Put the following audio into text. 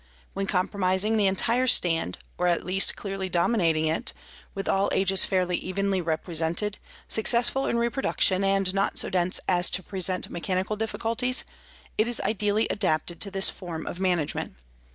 When comprising the entire stand, or at least clearly dominating it, with all ages fairly evenly represented, successful in reproduction, and not so dense as to present mechanical difficulties, it is ideally adapted to this form of management.